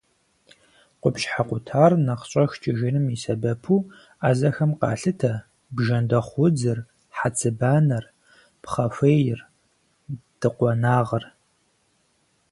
Къупщхьэ къутар нэхъ щӏэх кӏыжыным и сэбэпу ӏэзэхэм къалъытэ бжэндэхъу удзыр, хьэцыбанэр, пхъэхуейр, дыкъуэнагъыр.